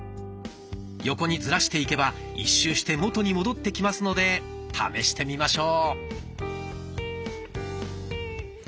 横にズラしていけば一周して元に戻ってきますので試してみましょう。